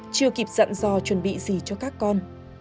chưa kịp dặn dò chuẩn bị gì cho các con